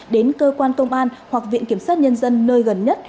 đến cơ quan công an hoặc viện kiểm sát nhân dân nơi gần nhất